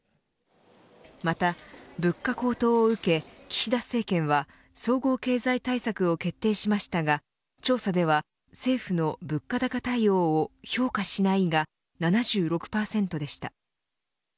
また物価高騰を受け岸田政権は総合経済対策を決定しましたが調査では政府の物価高対応を評価しない、が７６％でした。